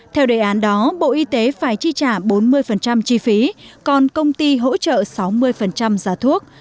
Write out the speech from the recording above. theo đề án đó bộ y tế phải chi trả bốn mươi chi phí còn công ty hỗ trợ sáu mươi giá thuốc